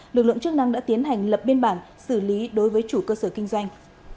lực lượng chức năng đã tiến hành lập biên bản xử lý đối với chủ cơ sở kinh doanh